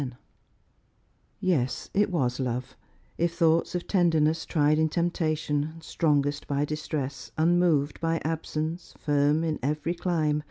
*' Yes, it was love, if thoughts of tenderness Tried in temptation, strongest by distress, Unmov'd by absence, firm in every clime.